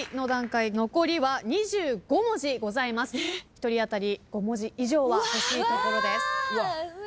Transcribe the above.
１人当たり５文字以上は欲しいところです。